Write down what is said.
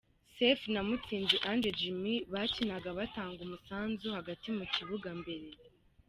Sefu na Mutsinzi Ange Jimmy bakinaga batanga umusanzu hagati mu kibuga mbere.